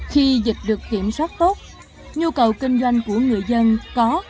khi dịch được kiểm soát tốt nhu cầu kinh doanh của người dân có